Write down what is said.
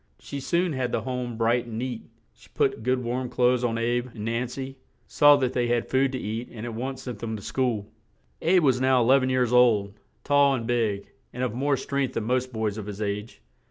She soon had the home bright and neat; she put good warm clothes on "Abe" and Nan cy; saw that they had food to eat and at once sent them to school. "Abe" was now e lev en years old, tall and big, and of more strength than most boys of his age.